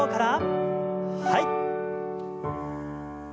はい。